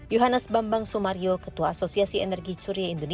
yohannes bambang sumario ketua asosiasi energi suria industri